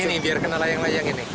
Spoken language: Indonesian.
ini biar kena layang layang ini